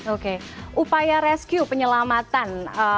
oke upaya rescue penyelamatan